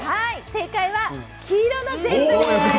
正解は黄色の全部です。